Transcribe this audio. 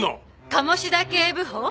鴨志田警部補！